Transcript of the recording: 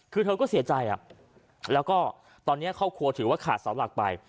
คือเธอก็เสียใจแล้วก็ตอนนี้ครอบครัวถือว่าขาดเสาหลักไป